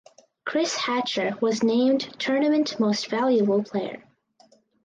Chris Hatcher was named Tournament Most Valuable Player.